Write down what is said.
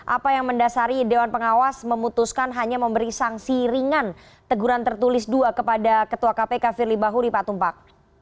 apa yang mendasari dewan pengawas memutuskan hanya memberi sanksi ringan teguran tertulis dua kepada ketua kpk firly bahuri pak tumpak